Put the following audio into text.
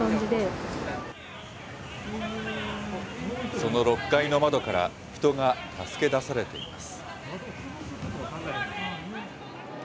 その６階の窓から人が助け出されています。